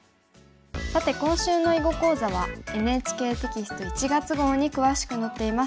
さて今週の囲碁講座はＮＨＫテキスト１月号に詳しく載っています。